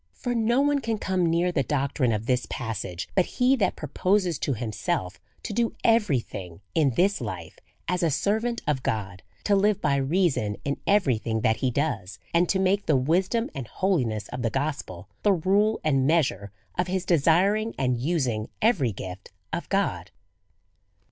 For no one can come near the doctrine of this passage but he that proposes to himself to do every thing in this life as a servant of God, to live by reason in everything that he does, and to make the wisdom and holiness of the gospel the rule and measure of his desiring and using every gift of God.